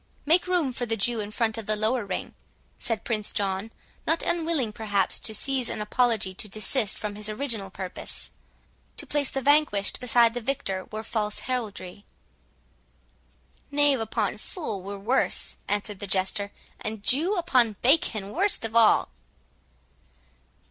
"Make room for the Jew in front of the lower ring," said Prince John, not unwilling perhaps to seize an apology to desist from his original purpose; "to place the vanquished beside the victor were false heraldry." "Knave upon fool were worse," answered the Jester, "and Jew upon bacon worst of all."